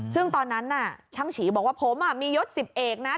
ซึ่งตอนนั้นน่ะช่างฉีบอกว่าผมมียศ๑๐เอกนะ